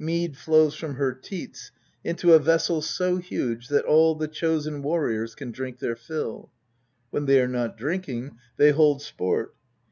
Mead flows from her teats into a vessel so huge that all the Chosen Warriors can drink their fill. When they are not drinking they hold sport.